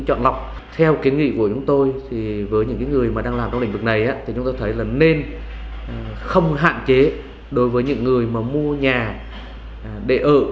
chúng tôi thì với những người đang làm trong lĩnh vực này thì chúng tôi thấy là nên không hạn chế đối với những người mà mua nhà để ở